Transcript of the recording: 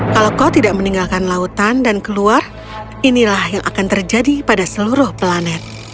kalau kau tidak meninggalkan lautan dan keluar inilah yang akan terjadi pada seluruh planet